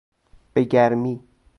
به گرمی